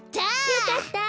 よかった！